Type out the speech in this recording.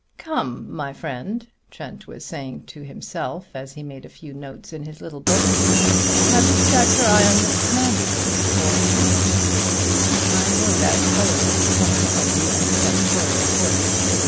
"Come, my friend," Trent was saying to himself, as he made a few notes in his little book. "Have you got your eye on Mrs. Manderson? Or haven't you? I know that colorless tone of the inspectorial voice.